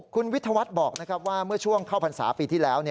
คุณวิทยาวัฒน์บอกว่าเมื่อช่วงเข้าพรรษาปีที่แล้ว